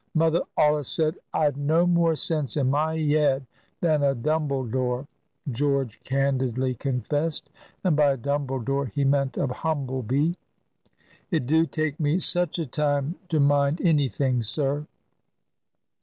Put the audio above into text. "Mother allus said I'd no more sense in my yead than a dumbledore," George candidly confessed. And by a dumbledore he meant a humble bee. "It do take me such a time to mind any thing, sir."